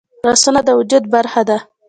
لاسونه د وجود برخه ده